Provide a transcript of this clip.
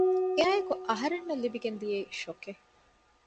އެއާއެކު އަހަރެންނަށް ލިބިގެން ދިޔައީ ޝޮކެއް